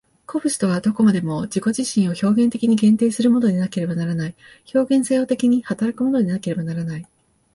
個物とはどこまでも自己自身を表現的に限定するものでなければならない、表現作用的に働くものでなければならない。